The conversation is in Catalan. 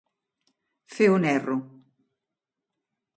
Fer un erro.